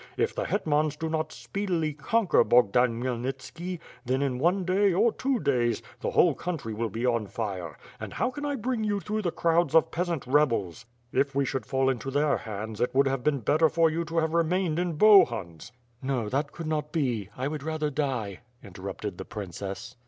If the hetmans do not speedily con quer Bogdan Khmyelnitski, then in one, or two days, the whole country will be on fire, and how can I bring you through the crowds of peasant rebels? If we should fall into their hands, it would have been better for you to have re mained in Bohun's" "No, that could not be. I would rather die," interrupted the princess.